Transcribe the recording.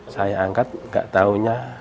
saya angkat gak tahunya